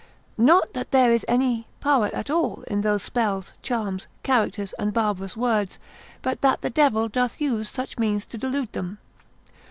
Not that there is any power at all in those spells, charms, characters, and barbarous words; but that the devil doth use such means to delude them.